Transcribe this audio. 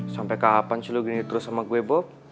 sampai kapan cilu gini terus sama gue